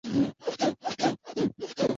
桥街碘泡虫为碘泡科碘泡虫属的动物。